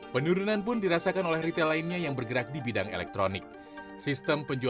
penurunan pun dirasakan oleh penjualan eceran yang berbeda dengan penjualan eceran yang ada di luar negara ini juga